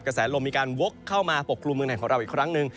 แสลมมีการวกเข้ามาปกกลุ่มเมืองไทยของเราอีกครั้งหนึ่ง